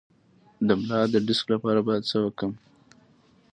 د ملا د ډیسک لپاره باید څه وکړم؟